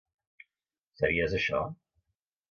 Sabies això?